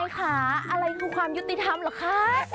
ค่ะอะไรคือความยุติธรรมเหรอคะ